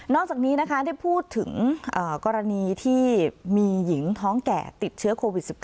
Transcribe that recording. จากนี้นะคะได้พูดถึงกรณีที่มีหญิงท้องแก่ติดเชื้อโควิด๑๙